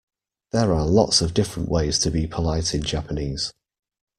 There are lots of different ways to be polite in Japanese.